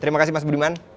terima kasih mas budiman